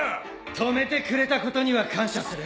止めてくれたことには感謝する。